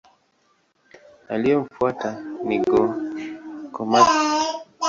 Aliyemfuata ni Go-Komatsu.